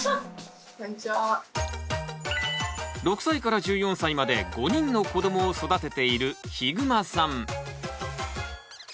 ６歳から１４歳まで５人の子どもを育てているヒグマさん。